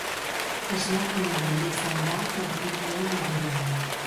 Esmokina gelditzen da, erlikia modura.